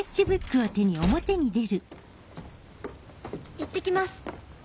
いってきます。